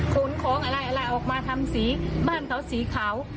ขนของอะไรอะไรออกมาทำสีบ้านเขาสีขาว